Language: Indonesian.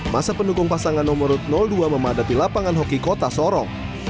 masa pendukung pasangan nomor dua memadati lapangan hoki kota sorong